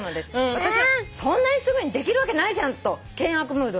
私は『そんなにすぐにできるわけないじゃん』と険悪ムードに」